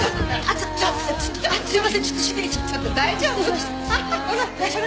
ちょっと大丈夫？